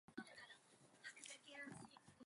The center of Baton Rouge is to the northwest.